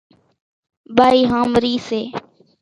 ٻائِي ۿامرِي سي۔